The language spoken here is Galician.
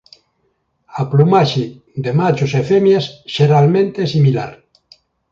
A plumaxe de machos e femias xeralmente é similar.